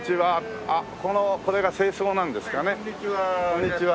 こんにちは。